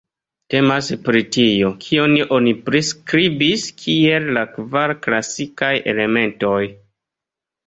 Temas pri tio, kion oni priskribis kiel la kvar klasikaj elementoj.